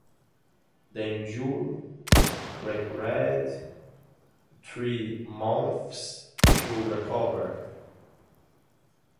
The injury required three months to recover.